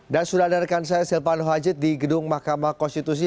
dan sudah dengarkan saya silvano haji di gedung mahkamah konstitusi